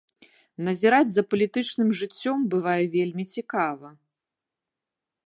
Назіраць за палітычным жыццём бывае вельмі цікава.